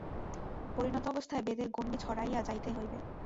পরিণত অবস্থায় বেদের গণ্ডী ছাড়াইয়া যাইতে হইবে।